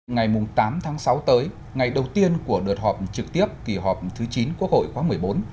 ngày tám tháng sáu tới ngày đầu tiên của đợt họp trực tiếp kỳ họp thứ chín quốc hội khóa một mươi bốn